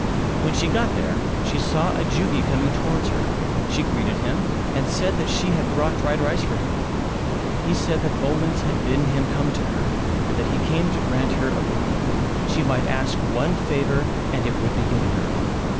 When she got there she saw a Jugi coming towards her, she greeted him and said that she had brought dried rice for him. He said that omens had bidden him come to her and that he came to grant her a boon: she might ask one favour and it would be given her.